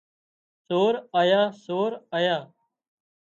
سور آيا سور آيا